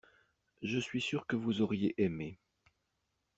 Je suis sûr que vous auriez aimé.